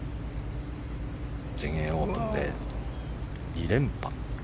全英オープンで２連覇。